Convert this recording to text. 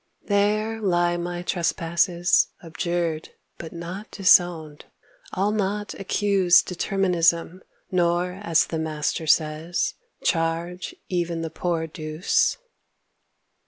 There lie my trespasses, Abjured but not disowned. I'll not accuse Determinism, nor, as the Master says, Charge even "the poor Deuce."